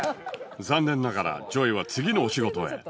残念ながら ＪＯＹ は次のお仕事へ